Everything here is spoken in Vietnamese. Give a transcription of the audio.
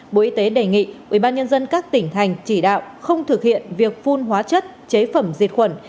bộ y tế đề nghị ubnd các tỉnh thành chỉ đạo không thực hiện việc phun hóa chất chế phẩm diệt khuẩn